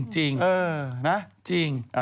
จริงเออนะจริง